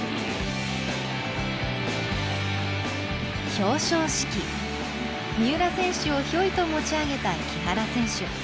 表彰式三浦選手をひょいと持ち上げた木原選手。